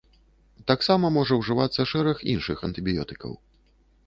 Таксама можа ўжывацца шэраг іншых антыбіётыкаў.